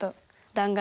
弾丸？